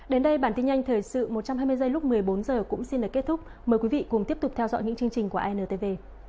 đến đây bản tin nhanh thời sự một trăm hai mươi giây lúc một mươi bốn h cũng xin được kết thúc mời quý vị cùng tiếp tục theo dõi những chương trình của intv